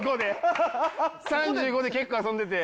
３５で結構遊んでて。